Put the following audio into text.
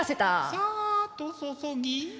「さーっと注ぎ」。